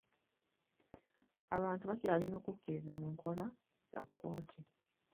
Abantu bakyalina okukiririza mu nkola za kkooti.